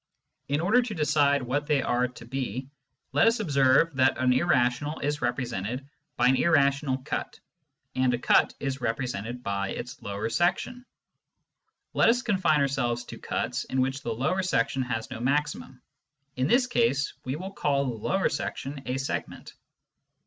In order to decide what they are to be, let us observe that an irrational is represented by an irrational cut, and a cut is represented by its lower section. Let us confine ourselves to cuts in which the lower section has no maximum ; in this case we will call the lower section a " segment."